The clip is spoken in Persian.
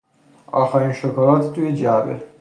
آخرین شکلات توی جعبه